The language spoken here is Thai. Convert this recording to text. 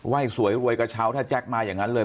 สวยรวยกระเช้าถ้าแจ๊คมาอย่างนั้นเลย